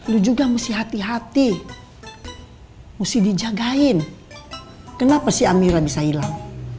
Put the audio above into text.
lu juga musti hati hati musti dijagain kenapa sih amirah bisa hilang